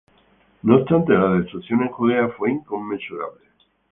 No obstante la destrucción en Judea fue inconmensurable.